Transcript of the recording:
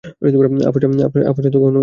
আপনার সাথে কখনই পান করিনি।